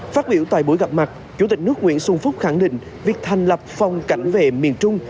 phát biểu tại buổi gặp mặt chủ tịch nước nguyễn xuân phúc khẳng định việc thành lập phòng cảnh vệ miền trung